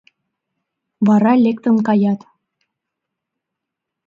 Вара лектын каят.